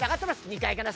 ２階かな？